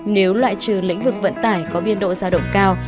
nếu loại trừ lĩnh vực vận tải có biên độ giao động cao